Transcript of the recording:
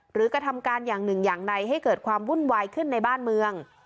กระทำการอย่างหนึ่งอย่างใดให้เกิดความวุ่นวายขึ้นในบ้านเมือง